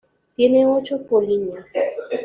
Tiene ocho polinias.